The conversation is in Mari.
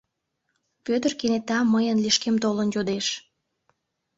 Вӧдыр кенета мыйын лишкем толын йодеш: